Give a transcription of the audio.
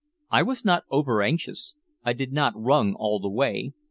I was not over anxious. I did not run all the way.